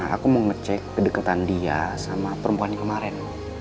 aku mau ngecek kedekatan dia sama perempuan kemarin